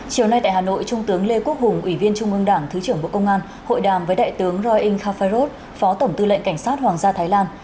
chiều nay tại hà nội trung tướng lê quốc hùng ủy viên trung ương đảng thứ trưởng bộ công an hội đàm với đại tướng roi in kha pha rod phó tổng tư lệnh cảnh sát hoàng gia thái lan